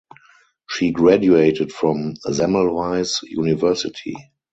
She graduated from Semmelweis University.